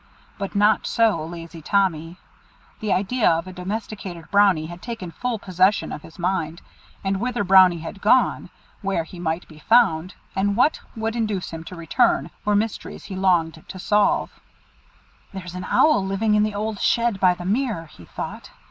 But not so lazy Tommy. The idea of a domesticated Brownie had taken full possession of his mind; and whither Brownie had gone, where he might be found, and what would induce him to return, were mysteries he longed to solve. "There's an owl living in the old shed by the mere," he thought.